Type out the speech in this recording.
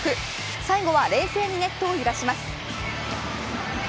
最後は冷静にネットを揺らします。